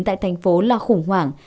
tại thành phố là khủng hoảng